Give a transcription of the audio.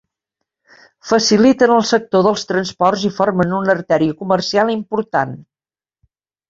Faciliten el sector dels transports i formen una artèria comercial important.